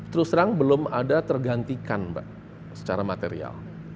terus terang belum ada tergantikan mbak secara material